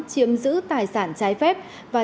chiếm giữ tài sản trái phép và